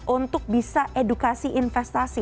untuk bisa edukasi investasi